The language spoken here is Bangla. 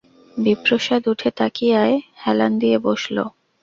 বিপ্রদাস উঠে তাকিয়ায় হেলান দিয়ে বসল।